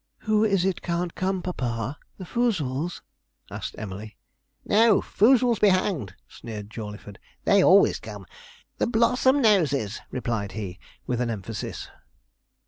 'Who is it can't come, papa the Foozles?' asked Emily. 'No Foozles be hanged,' sneered Jawleyford; 'they always come the Blossomnoses!' replied he, with an emphasis.